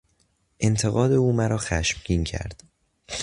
انتقاد او مرا خشمگین کرد.